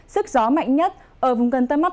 sức gió mạnh nhất ở vùng gần tăng mắp